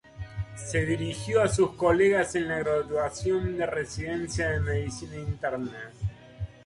Se dirigió a sus colegas en la graduación de residencia de medicina interna.